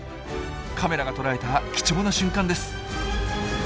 カメラが捉えた貴重な瞬間です。